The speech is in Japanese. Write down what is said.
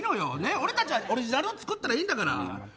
俺たちはオリジナルを作ったらいいんだから！